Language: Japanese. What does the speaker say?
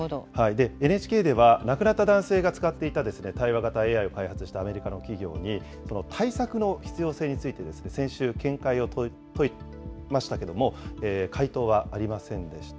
ＮＨＫでは亡くなった男性が使っていた対話型ＡＩを開発したアメリカの企業に、対策の必要性について先週、見解を問いましたけれども、回答はありませんでした。